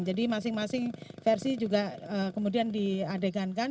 jadi masing masing versi juga kemudian diadegan